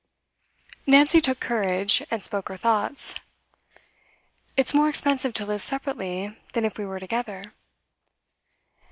Nancy took courage, and spoke her thoughts. 'It's more expensive to live separately than if we were together.